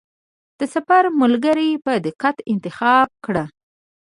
د سفر ملګری په دقت انتخاب کړه.